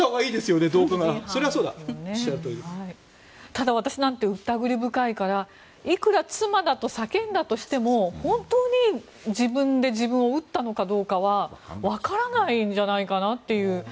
ただ私なんかは疑り深いから妻だと叫んだとしても本当に自分で自分を撃ったのかどうかはわからないんじゃないかなという。